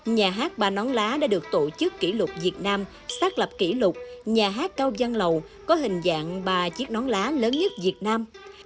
nhà hát ba nón lá đã được tổ chức kỷ lục việt nam xác lập kỷ lục nhà hát cao giang lầu có hình dạng ba chiếc nón lá lớn nhất việt nam